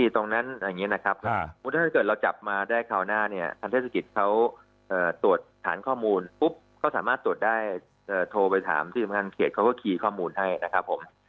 ทางเทศกิจเขาตรวจฐานข้อมูลปุ๊บเขาสามารถตรวจได้โทรไปถามที่สำคัญเขาเขาก็ขี่ข้อมูลให้นะครับผม